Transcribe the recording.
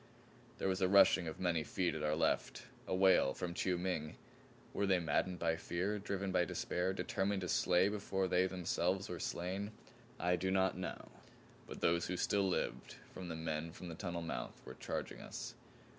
There was a rushing of many feet at our left; a wail from Chiu Ming. Were they maddened by fear, driven by despair, determined to slay before they themselves were slain? I do not know. But those who still lived of the men from the tunnel mouth were charging us.